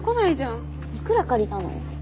いくら借りたの？